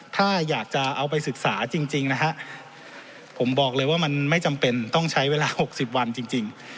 ถ้าอยากจะเอาไปศึกษาจริงนะฮะผมบอกเลยว่ามันไม่จำเป็นต้องใช้เวลา๖๐วันจริง